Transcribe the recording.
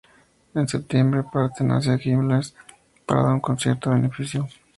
En septiembre parten hacia Quilmes para dar un concierto a beneficio.